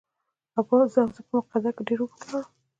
او زه په مقدمه کې ډېر اوږد ولاړم.